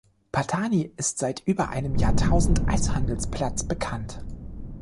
Pattani ist seit über einem Jahrtausend als Handelsplatz bekannt.